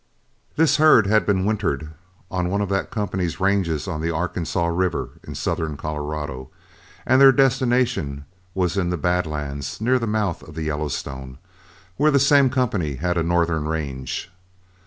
This herd had been wintered on one of that company's ranges on the Arkansaw River in southern Colorado, and their destination was in the Bad Lands near the mouth of the Yellowstone, where the same company had a northern range.